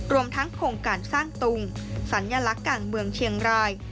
รวมทั้งโครงการสร้างตุงสัญลักษณ์การเมืองเชียงราย